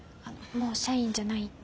もう社員じゃないって。